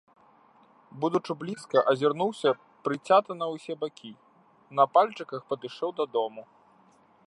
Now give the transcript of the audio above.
Будучы блізка, азірнуўся прыцята на ўсе бакі і на пальчыках падышоў да дома.